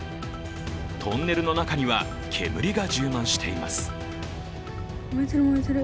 トンネルの中には煙が充満しています。